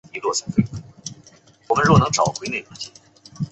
一阵车声传来